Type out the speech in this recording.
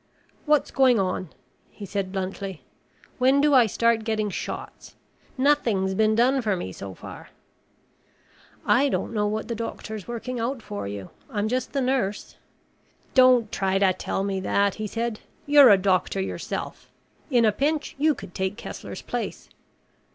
"What's going on?" he said bluntly. "When do I start getting shots? Nothing's been done for me so far." "I don't know what the doctor's working out for you. I'm just the nurse." "Don't try to tell me that," he said. "You're a doctor yourself. In a pinch you could take Kessler's place."